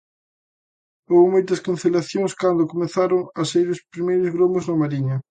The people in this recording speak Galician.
Houbo moitas cancelacións cando comezaron a saír os primeiros gromos na Mariña.